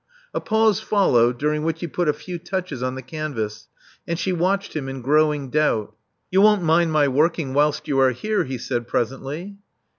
A pause followed, during which he put a few touches on the canvas, and she watched him in growing doubt. '*You won't mind my working whilst you are here?" he said, presently.